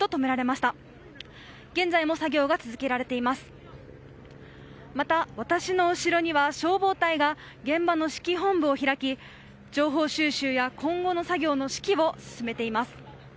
また、私の後ろには消防隊が現場の指揮本部を開き情報収集や今後の作業の指揮を進めています。